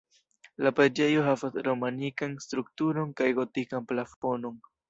La preĝejo havas romanikan strukturon kaj gotikan plafonon.